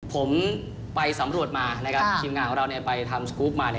ผมไปสำรวจมานะครับครีมงานของเราเนี้ยไปทำมาเนี้ย